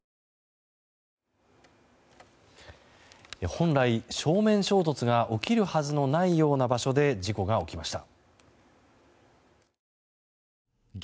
本来、正面衝突が起きるはずのないような場所で事故が起きました。